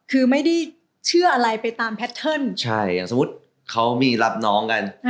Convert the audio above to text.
คือไม่ได้เชื่ออะไรไปตามแพทเทิร์นใช่อย่างสมมุติเขามีรับน้องกัน